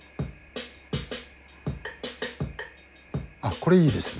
あこれいいですね。